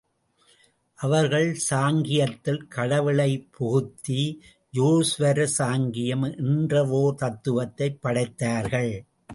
அவர்கள் சாங்கியத்தில் கடவுளைப் புகுத்தி யேஸ்வரசாங்கியம் என்றவோர் தத்துவத்தைப் படைத்தார்கள்.